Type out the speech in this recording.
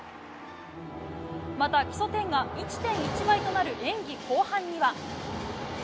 また基礎点が１．１倍となる演技後半には。